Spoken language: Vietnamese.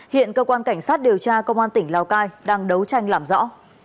hiện cơ quan cảnh sát điều tra công an tỉnh lào cai đang đấu tranh làm rõ